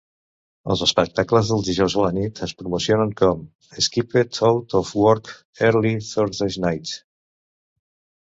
Els espectacles dels dijous a la nit es promocionen com "Skippeth-Out-Of-Work-Early Thursday Nights".